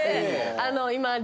あの今。